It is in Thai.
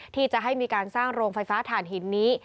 ที่จะให้มีการสร้างโรงไฟฟ้าฐานหินนี้